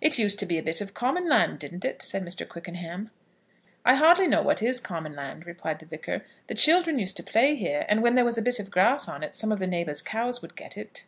"It used to be a bit of common land, didn't it?" said Mr. Quickenham. "I hardly know what is common land," replied the Vicar. "The children used to play here, and when there was a bit of grass on it some of the neighbours' cows would get it."